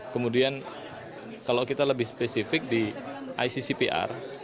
kemudian kalau kita lebih spesifik di iccpr